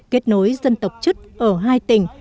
kết nối dân tộc chất ở hai tỉnh